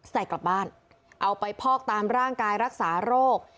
ใส่กลับบ้านเอาไปพอกตามร่างกายรักษาโรค